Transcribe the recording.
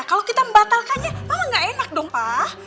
kalau kita membatalkannya mama nggak enak dong pa